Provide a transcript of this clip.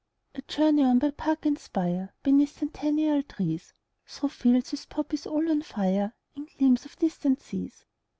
20 I journey on by park and spire, Beneath centennial trees, Through fields with poppies all on fire, And gleams of distant seas.